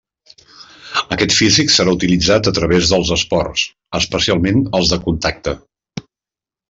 Aquest físic serà utilitzat a través dels esports, especialment els de contacte.